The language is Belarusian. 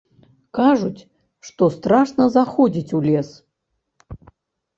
Кажуць, што страшна заходзіць у лес.